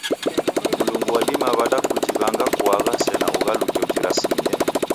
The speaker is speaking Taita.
Mlungu wadima w'ada kujiw'anga kaung'a sena ughaluke ujirasimie?